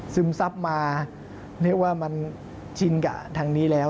ซึมซับมาเรียกว่ามันชินกับทางนี้แล้ว